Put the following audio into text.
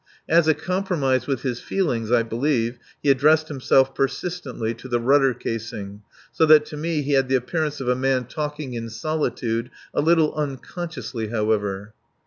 As a compromise with his feelings, I believe, he addressed himself persistently to the rudder casing, so that to me he had the appearance of a man talking in solitude, a little unconsciously, however.